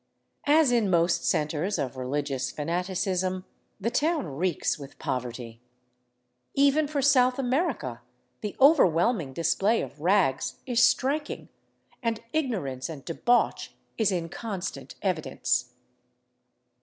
As in most centers of religious fanaticism, the town reeks with poverty. Even for South America, the overwhelming display of rags is striking, and ignorance and debauch is in constant evidence.